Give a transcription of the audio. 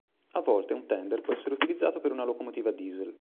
A volte un tender può essere utilizzato per una locomotiva Diesel.